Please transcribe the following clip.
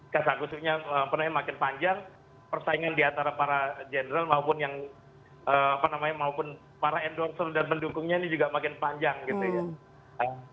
kasusnya makin panjang persaingan diantara para jenderal maupun yang apa namanya maupun para endorser dan pendukungnya ini juga makin panjang gitu ya